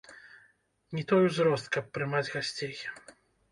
Не той узрост, каб прымаць гасцей.